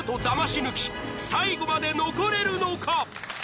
抜き最後まで残れるのか］